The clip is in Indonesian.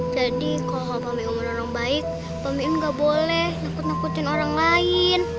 jadi kalau pak miun orang baik pak miun gak boleh nakut nakutin orang lain